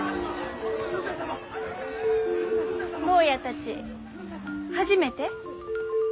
坊やたち初めて？